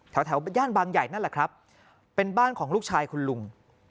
แถวย่านบางใหญ่นั่นแหละครับเป็นบ้านของลูกชายคุณลุง